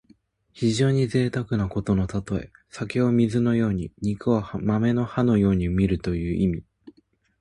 非常にぜいたくなことのたとえ。酒を水のように肉を豆の葉のようにみるという意味。